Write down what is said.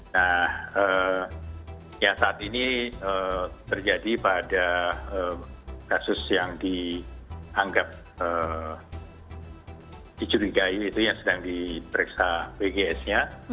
nah saat ini terjadi pada kasus yang dianggap dicurigai itu yang sedang diperiksa wgsnya